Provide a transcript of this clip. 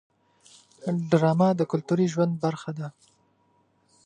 ډرامه د کلتوري ژوند برخه ده